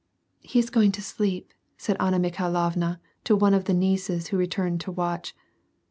'' He is going to sleep/' said Anna Mikhailovna, to one of the nieces who returned to i^^atch.